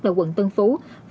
là quận tân phú